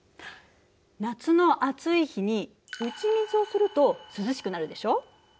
夏の暑い日に打ち水をすると涼しくなるでしょ？